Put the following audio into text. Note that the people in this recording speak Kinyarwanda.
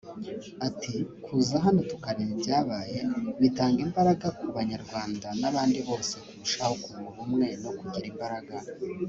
Ati “Kuza hano tukareba ibyabaye bitanga imbaraga ku Banyarwanda n’abandi bose kurushaho kunga ubumwe no kugira imbaraga